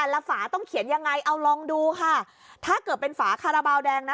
แล้วฝาต้องเขียนยังไงเอาลองดูค่ะถ้าเกิดเป็นฝาคาราบาลแดงนะ